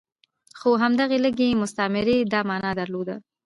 خو همدغې لږې مستمرۍ دا معنی درلوده.